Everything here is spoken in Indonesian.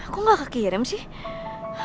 kok gak kekirim sih